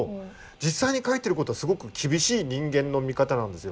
実際に書いてる事はすごく厳しい人間の見方なんですよ。